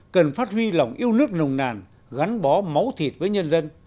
cần phát huy lòng yêu nước nồng nàn gắn bó máu thịt với nhân dân